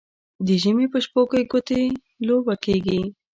د ژمي په شپو کې ګوتې لوبه کیږي.